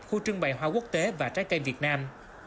khu trưng bày hoa quốc tế và trái cây việt nam